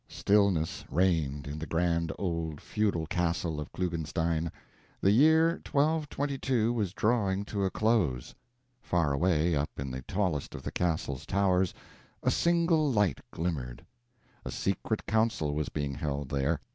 Stillness reigned in the grand old feudal castle of Klugenstein. The year 1222 was drawing to a close. Far away up in the tallest of the castle's towers a single light glimmered. A secret council was being held there.